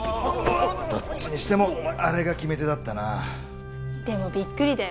どっちにしてもあれが決め手だったなでもビックリだよ